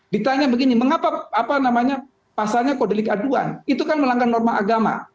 ditanya begini mengapa apa namanya pasalnya kodelik aduan itu kan melanggar norma agama